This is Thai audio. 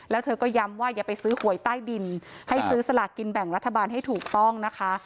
แล้วเธอก็ย้ำว่าอย่าไปซื้อหวยใต้ดินให้ซื้อสลากกินแบ่งรัฐบาลให้ถูกต้องนะคะ